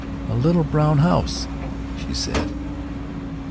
"A little brown house!" she said.